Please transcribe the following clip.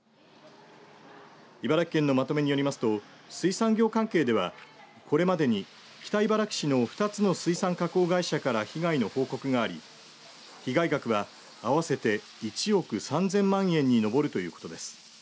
茨城県のまとめによりますと水産業関係ではこれまでに北茨城市の２つの水産加工会社から被害の報告があり被害額は合わせて１億３０００万円に上るということです。